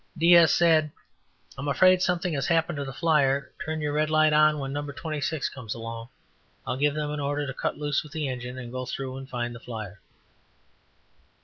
"DS" said, "I'm afraid something has happened to the flyer. Turn your red light and when No. 26 comes along, I'll give them an order to cut loose with the engine and go through and find the flyer."